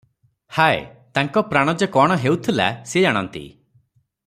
ହାୟ! ତାଙ୍କ ପ୍ରାଣ ଯେ କଣ ହେଉଥିଲା ସେ ଜାଣନ୍ତି ।